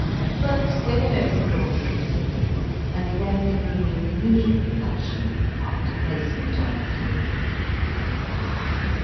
But they had only hrought in tiffin, and left the room in the usual fashion after placing it on the table.